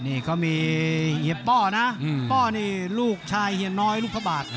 นี่เขามีเฮียป้อนะป้อนี่ลูกชายเฮียน้อยลูกพระบาท